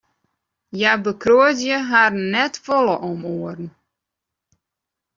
Hja bekroadzje harren net folle om oaren.